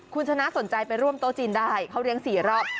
คุณชนะสนใจไปร่วมโต๊ะจีนได้เขาเลี้ยง๔รอบ